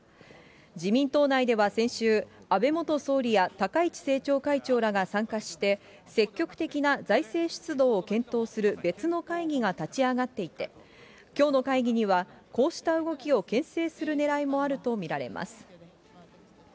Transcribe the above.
自民党内では先週、安倍元総理や高市政調会長らが参加して、積極的な財政出動を検討する別の会議が立ち上がっていて、きょうの会議にはこうした動きをけん制するねらいもあると見られます。